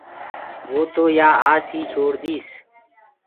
وو تو يآ آس ئي ڇوڙ ديس۔